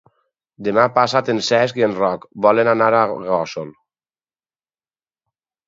Demà passat en Cesc i en Roc volen anar a Gósol.